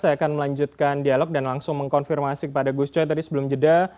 saya akan melanjutkan dialog dan langsung mengkonfirmasi kepada gus coy tadi sebelum jeda